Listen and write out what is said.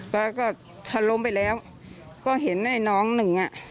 ฟ้าก็ทะล้มไปแล้วก็เห็นไอ้น้องหนึ่งอ่ะ